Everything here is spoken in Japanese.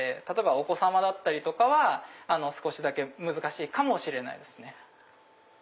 お子様だったりとかは少しだけ難しいかもしれないですね。